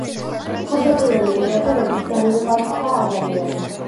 თავდაპირველი მონაცემებით, დაიღუპა ცხრა ადამიანი.